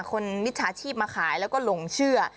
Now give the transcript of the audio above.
มิจฉาชีพมาขายแล้วก็หลงเชื่อ